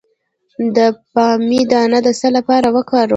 د بامیې دانه د څه لپاره وکاروم؟